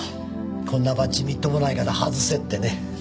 こんなバッジみっともないから外せってね。